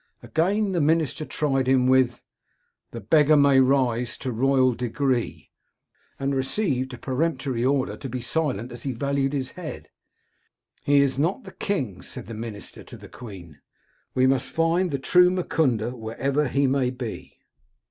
Again the minister tried him with —* The beggar may rise to royal degree,' and received a peremptory order to be silent as he valued his head. He is not the king,' said the minister to the queen. * We must find the true Mukunda, wherever he may be.'